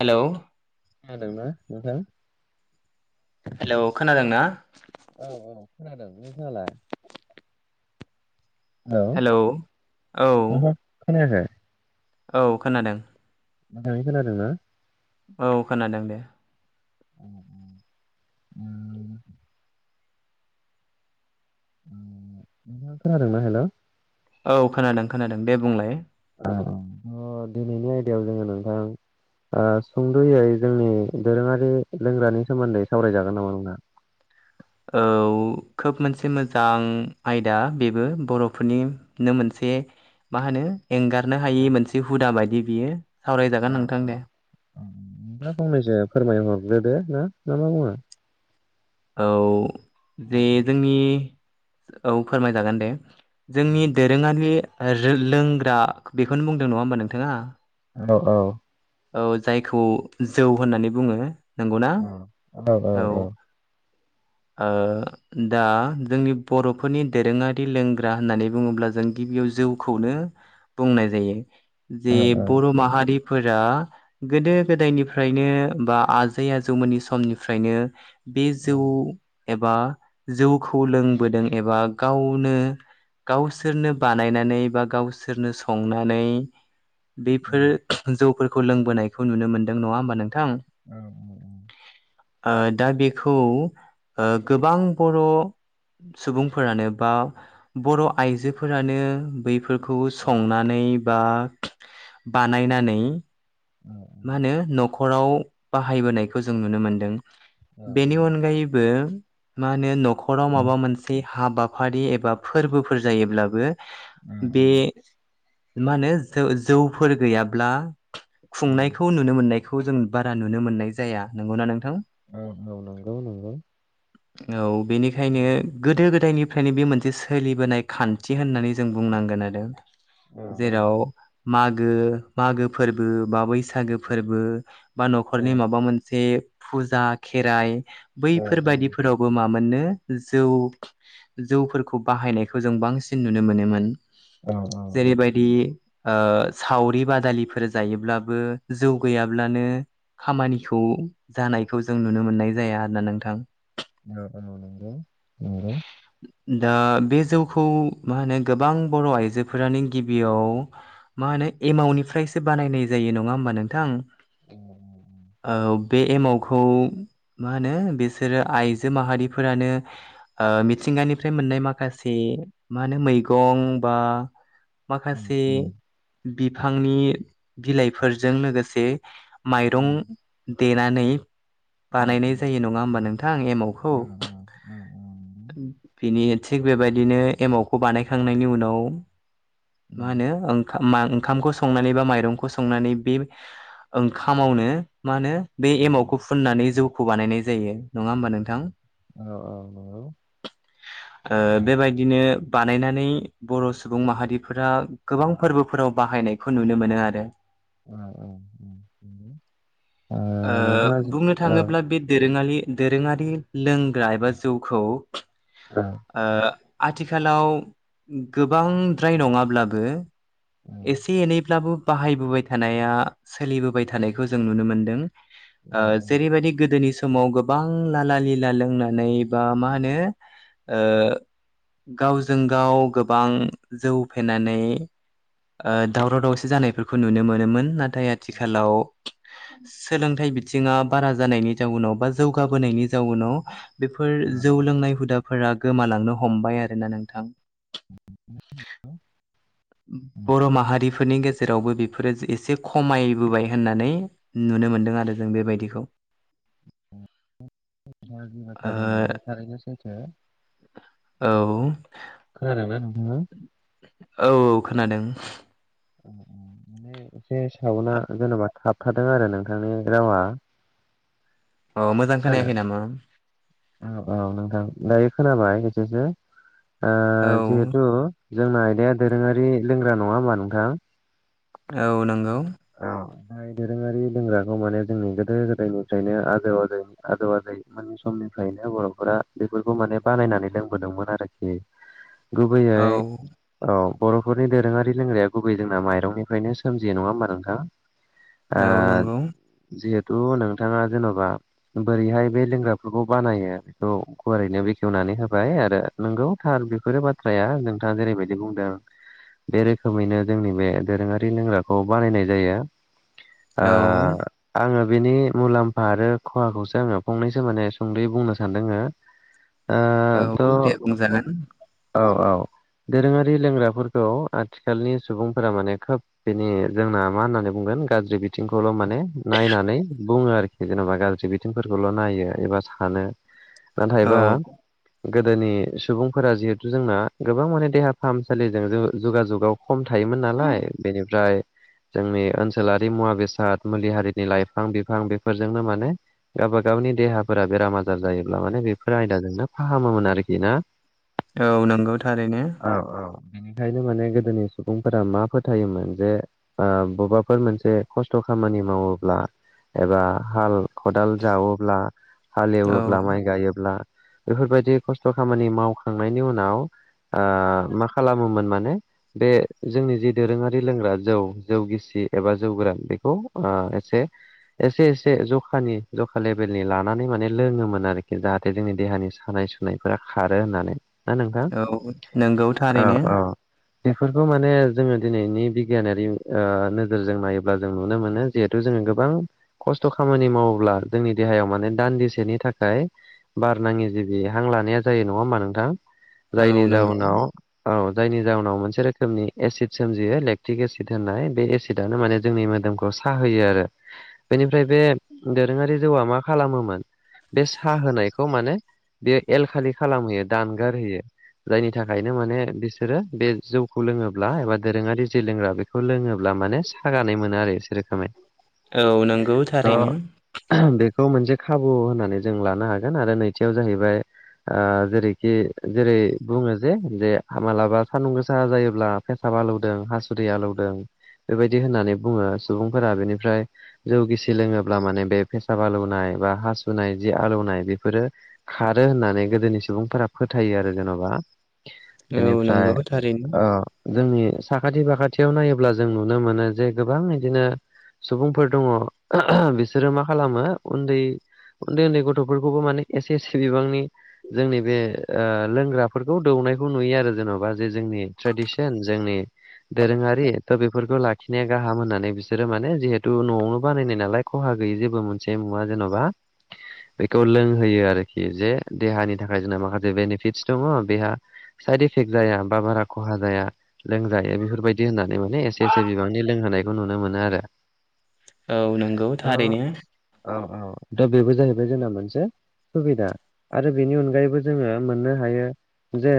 Hello खोनादोंना नोंथां hello खोनादोंना औ औ खोनादों नों खोनादों हेलौ औ नोंथां खोनायाखै औ खोनादों मोजाङै खोनादोंना औ खोनादों दे अ अ उम उम नोंथाङा खोनादोंना हेलौ औ खोनादों खोनादों दे बुंलाय औ औ दिनैनि आयदायाव जोङो नोंथां ओ सुंद'यै जोंनि दोरोङारि लोंग्रानि सोमोन्दै सावराय जागोन नामा नोंथां औ खोब मोनसे मोजां आयदा बेबो बर'फोरनिनो मोनसे मा होनो एंगारनो हायि मोनसे हुदा बादि बियो सावरायजागोन ओ नोंथां ओ दे औ नोंथाङा फंनैसो फोरमायहर ग्रोदो ना नामा बुङो औ जे जोंनि औ फोरमायजागोन दे जोंनि दोरोङारि रो-लोंग्रा बेखौनो बुंदों नङा होमबा नोंथाङा औ औ औ जायखौ जौ होननानै बुङो नंगौना औ औ ओ दा जोंनि बर'फोरनि दोरोङारि लोंग्रा होननानै बुङोब्ला जों गि बियाव जौखौनो बुंनाय जायो औ जे औ बर' माहारि फोरा गोदो गोदायनिफ्रायनो बा आजै आजौमोननि समनिफ्रायनो बे औ जौ एबा जौखौ लोंबोदों एबा गावनो गावसोरनो बानायनानै बा गावसोरनो संनानै औ बेफोर जौफोरखौ लोंबोनायखौ नुनो मोनदों नङा होमबा नोंथां औ ओ दा बेखौ ओ गोबां बर' सुबुंफोरानो बा बर' आइजोफोरानो बैफोर खौ संनानै बा बानायनानै मा होनो न'खराव बाहायबोनायखौ जों नुनो मोनदों औ बेनि अनगायैबो मा होनो न'खराव औ माबा मोनसे हाबाफारि एबा फोरबोफोर जायोब्लाबो औ बे मा होनो ज जौफोर गैयाब्ला औ खुंनायखौ नुनो मोननाय खौ जों बारा नुनो मोननाय जाया नंगौना नोंथां औ औ नंगौ नंगौ [inaudible] औ ओंखायनो बे मोनसे सोलिबोनाय खान्थि होननानै जों बुंनांगोन आरो औ औ जेराव मागो मागो फोरबो बा बैसागो फोरबो बा औ न'खरनि माबा मोनसे फुजा खेराइ औ बैफोर औ बाददिफोरावबो माबा मोननो जौ जौफोरखौ बाहायनायखौ जों बांसिन नुनो मोनोमोन। नंगौ नंगौ जेरैबायदि ओ सावरि बादालिफोर जायोब्लाबो जौ गैयाब्लानो खामानिखौ जानायखौ जों नुनो मोननाय जाया आरो ना नोंथां औ नोंगौ नंगौ दा बे जौखौ मा होनो गोबां बर' आइजोफोरानो गिबियाव मा माने एमावनिफ्रायसो बानायनाय जायो नङा होमबा नोंथां [inaudible] औ बे एमावखौ मा होनो बे सोरो आइजो माहारिफोरानो मिथिंगानिफ्राय मोननाय माखासे मा होनो मैगं बा माखासे बिफांनि बिलाइफोरजों लोगोसे माइरं देनानै बानायनाय जायो नङा होमबा नो थां एमावखौ थिग बेबायदिनो एमावखौ बानायखांनायनि उनाव मा होनो ओं खामखौ संनानै बा माइरंखौ संनानै बे ओंखामावनो मा होनो बे औ औ एमावखौ फुननानै जौखौ बानायनाय जायो नङा होमबा नोंथां? नंगौ ओ बेबायदिनो बानायनानै बर' सुबुं माहारिफोरा गोबां फोरबोफोराव बाहायनायखौ नुनो मोनो आरो। औ औ। ओ नोंथाङा जि बुंनो थाङोब्ला बे दोरोङालि दोरोङारि लोंग्रा एबा जौखौ औ ओ आथिखालाव गोबांद्राय नङाब्लाबो औ एसे एनैब्लाबो बाहायबोबाय थानाया सोलिबोबाय थानायखौ जों नुनो मोनदों। ओ औ औ जेरैबायदि गोदोनि समाव गोबां लाला लिला लोंनानै बा मा होनो ओ गावजों गाव गोबां जौ फेनानै ओ दावराव दावसि जानायफोरखौ नुनो मोनोमोन ना थाय आथिखालाव सोलोंथाइ बिथिङा बारा जानायनि जाउनाव बा जौगाबोनायनि जाउनाव बेफोर जौ लोंनाय हुदा फोरा गोमालांनो हमबाय आरोना नोंथां। [inaudible] बर' माहारिफोरनि गेजे रावबो बेफोरो एसे खमायबोबाय होननानै नुनो मोनदों आरो जों बेबायदिखौ। [inaudible] जि ओ बाथ्रा बुंदों थारैनो बे सैथो। औ हो? औ खोनादों माने एसे सावनाआ जेनेबा थाबथादों आरो नोंथांनि रावआ अ मोजां खोनायाखै नामा? औ औ नोंथां दायो खोनाबाय खसेसो ओ औ जिहेथ जोंना आयदाया दोरोङारि लोंग्रा नङा होमा नोंथां? औ नंगौ औ। जाय दोरोङारि लोंग्राखौ माने जोंनि गोदो गोदायनिफ्रायनो आजौ आजै आजौ आजै मोननि सम निफ्रायनो बर'फोरा बेफोरखौ माने बानायनानै लोंबोदोंमोन आरोखि। गुबैयै औ औ बर'फोरनि दोरोङारि लोंग्राया गुबै जोंना माइरंनिफ्रायनो सोमजियो नङा होमबा नोंथां आ औ नंगौ जिहे तु नोंथाङा जेन'बा बोरैहाय बे लोंग्राफोरखौ बानायो बेखौ गुवारैनो बेखेवनानै होबाय आरो नंगौ थार बेफोरो बाथ्राया नोंथाङा जेरैबायदि बुंदों। बे रोखोमैनो जोंनि बे दोरोङारि लोंग्राखौ बानायनायायो औ आङो [unintelligible] बेनि मुलाम्फा आरो खहाखौसो आङो फंनैसो माने सुंद'यै बुंनो सानदोंङ। औ द बुं जागोन। औ औ। दोरोङारि लोंग्राफोरखौ आथिखालनि सुबुंफोरा माने खोब बेनि जोंना। मा होननानै बुंगोन गाज्रि बिथिंखौल' माने नायनानै। बुङो आरोखि जेनेबा गाज्रि बिथिंफोरखौल' नायो एबा सानो औ नाथायबा। गोदोनि सुबुंफोरा जिहेथु जोंना गोबां माने देहा फाहामसालिजों ज जगाजुगाव खम थायोमोन नालाय बेनिफ्राय जोंनि ओनसोलारि मुवा बेसाद मुलि हारिनि लाइफां बिफां बेफोरजोंनो माने गावबा गावनि देहाफोरा बेराम आजार जायोब्ला माने बेफोर आयदाजोंनो फाहामोमोन आरोखि ना। औ नंगौथारै नो। औ बेनिखायनो माने गोदोनि सुबुंफोरा मा फोथायोमोन? जे बबेबाफोर मोनसे खस्थ' खामानि मावोब्ला एबा हाल खदाल जावोब्ला, औ हालेवोब्ला, माइ गायोब्ला बेफोरबायदि खस्थ' खामानि मावखांनायनि उनाव मा खालामोमोन माने बे जोंनि जि दोरोङारि लोंग्रा जौ जौ गिसि एबा जौ गोरान बेखौ एसे एसे एसे जखानि जखा लेभेलनि लानानै माने लोङोमोन आरोखि जाहाथे जोंनि देहानि सानाय सुनायफोरा खारो होननानै ना नोंथां? औ नंगौ औ थारैनो औ। बेफोरखौ माने जोङो दिनैनि बिगियानारि ओ नोजोरजों नायोब्ला जों नुनो मोनो जिहेथु जोङो गोबां खस्थ' खामानि मावोब्ला जोंनि देहायाव माने दान्दिसेनि थाखाय बार नाङि जिबि हां लानाया जायो नङा हा नोंथां? औ जायनि नंगौ जाउनाव औ। जायनि जाउनाव मोनसे रोखोमनि एसिद सोमजियो। लेकटिक एसिड बेड माने जोंनि मोदोमखौ साहोयो आरो बेनिफ्राय बे दोरोङारि जौआ मा खालामोमोन बे साहोनायखौ माने बेयो एल खालि खालामहोयो दानगार होयो। जायनि थाखायनो माने बिसोरो बे जौखौ लोङोब्ला एबा दोरोङारि जि लोंग्रा बेखौ [unintelligible] लोङोब्ला माने सागानाय मोनो आरो एसे रोखोमै औ नंगौ थ' थारैनो। [unintelligible] मोनसे खाबु होननानै जों लानो हागोन आरो नैथियाव जाहैबाय जेरैखि जेरै बुङो जे -जे मालाबा सान्दुं गोसा जायोब्ला [unintelligible] आलौदों हासुुदै आलौदों बेबायदि होननानै बुङो सुबुंफोरा बेनिफ्राय जौ गिसि लोङोब्ला माने बे फेसाब आलौनाय बा हासुनाय जि आलौनाय बेफोरो खारो होननानै गोदोनि सुबुंफोरा फोथायो आरो जेन'बा। औ बेनिफ्राय नंगौ थारैनो ओ जोंनि साखाथि -बाखाथि [unintelligible] नायोब्ला जों नुनो मोनो जे गोबां बिदिनो सुबुंफोर दङ बिसोरो मा खालामो उन्दै उन्दै -उन्दै गथ'फोरखौबो माने एसे -एसे बिबांनि जोंनि बे लोंग्राफोरखौ [unintelligible] [unintelligible] नुयो आरो जेन'बा जे जोंनि ट्रेडिसन जोंनि दोरोङारि थ' बेफोरखौ लाखिनाया गाहाम होननानै बिसोरो माने जिहेथु न'आवनो बानायनाय नालाय खहा गैयि जेबो मोनसे मुवा जेन'बा। बेखौ लोंहोयो आरोखि जे देहानि थाखाय जोंना माखासे बेनिफिटस दङ बेहा इफेक्ट जाया बा बारा खहा जाया लोंजायो बे बेफोरबायदि होननानै माने एसे- एसे बिबांनि लोंहोनायखौ नुनो मोनो आरो। औ नंगौ थारैनो। औ दा बेबो जाहैबाय जोंना मोनसे सुबिदा आरो बेनि अनगायैबो जोङो मोननो हायो जे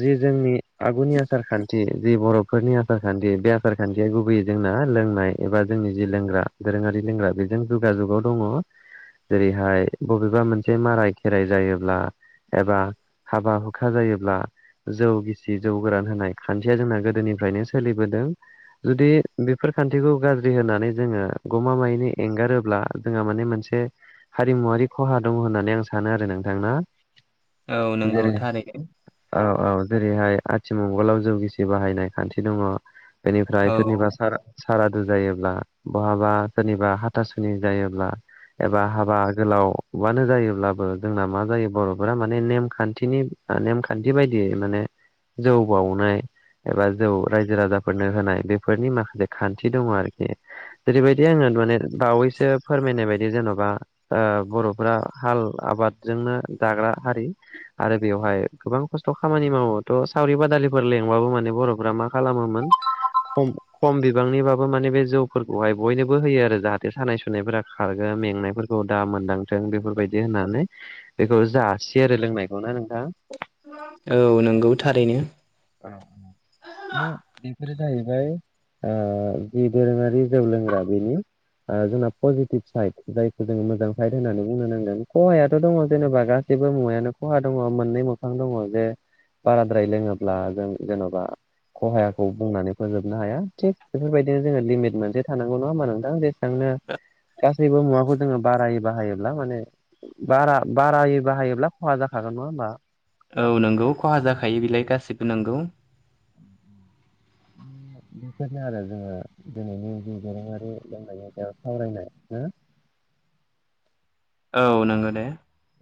जि जोंनि आगुनि आसार खान्थि जि बर' [unintelligible] [unintelligible] आसारखान्थि बे आसारखान्थिया गुबैयै जोंना लोंनाय एबा जोंनि जि लोंग्रा दोरोङारि लोंग्रा बे जों जुग -जुगाव दङ जेरै'हाय बबेबा मोनसे माराय खेराइ जायोब्ला। एबा हाबा हुखा जायोब्ला जौ गिसि, जौ गोरान होनाय खान्थिया जोंना गोदोनि [unintelligible] सोलिबोदों जुदि बेफोर खान्थिखौ गाज्रि होनानै जोङो गमामायैनो [unintelligible] गारोब्ला जोंहा माने मोनसे हारिमुवारि खहा दङ होननानै आं सानो आरो नोंथां ना। औ नंगौ जेरै थारैनो औ औ। जेरै'हाय आथिमंगलाव जौगिसि बाहायनाय खान्थि दङ बेनिफ्राय औ सोरनिबा सारा- सारा सारादु जायोब्ला बहाबा सोरनिबा हाथासुनि जायोब्ला एबा हाबा गोलावबानो जायोब्लाबो जोंना मा जायो बर'फोरा माने नेमखान्थिनि नेमखान्थि बायदियै माने जौ बावनाय एबा जौ रायजो राजाफोरनो होनाय बेफोरनि माखासे खान्थि दङ आरोखि। जेरैबायदि आङो माने बावैसो फोरमायनाय बायदि जेन'बा ओ बर'फ्रा हाल आबादजोंनो दाग्रा हारि आरो बेवहाय गोबां खस्थ' खामानि मावोथ' सावरि बादालिफोर लेंबाबो माने बर'फोरा मा खालामोमोन। खम -खम बिबांनिबाबो माने बे जौफोरखौहाय बयनोबो होयो आरो। जाहाथे सानाय सुनायफोरा खारगोन। मेंनायफोरखौ दा मोनदांथों बेफोरबायदि होननानै। बेखौ जासियो आरो लोंनायखौ [unintelligible] औ नंगौ थारैनो। बेफोरो जाहैबाय ओ जि दोरोङारि जौ लोंग्रा बेनि जोंना पजिटिभ साइद जायखौ जोङो मोजां साइद होननानै बुंनो नांगोन। खहायाथ' दङ जेनेबा [unintelligible] सेबो मुवायानो खहा दङ मोननै मोखां दङ जे बाराद्राय लोङोब्ला जों जेन'बा खहायाखौ बुंनानै फोजोबनो हाया थिक बेफोरबायदिनो जोङो लिमिट मोनसे थानांगौ नङा हा नोंथां। जे थांनो गासैबो मुवाखौ जोङो बारायै बाहायोब्ला माने बारा बारायै बाहायोब्ला खहा जाखागोन नङा होमबा। औ नंगौ खहा जाखायो बेलाय गाससिबो नोंगौ। बेफोरनो आरो जोङो दिनैनि दोरोङारि लोंनायनि सायाव सावरायनाय हो। [inaudible] औ नोङो दे।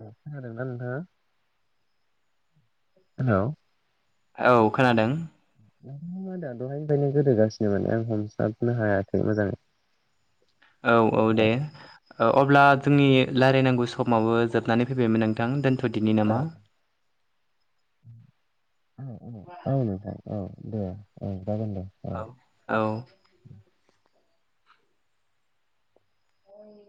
खोनादोंना नोंथाङा? हेल' औ खोनादों। [inaudible] दहायनिफ्रायनो गोदोगासिनो माने आं हमस्लाबनो हायाखै मोजाङै। औ औ दे औ अब्ला जोंनि रायल्लायनांगौ समावबो जोबनानै फैबायमोन नोंथां दोनथ'दिनि औ नामा? औ औ औ नोंथां औ दे औ। जागोन दे औ औ।